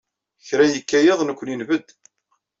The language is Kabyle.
Kra yekka yiḍ nekni nbedd.